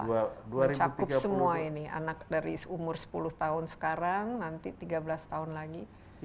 mencakup semua ini anak dari umur sepuluh tahun sekarang nanti tiga belas tahun lagi